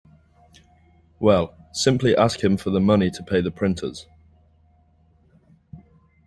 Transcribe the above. Well, simply ask him for the money to pay the printers.